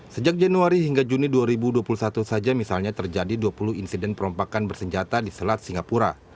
sejak januari hingga juni dua ribu dua puluh satu saja misalnya terjadi dua puluh insiden perompakan bersenjata di selat singapura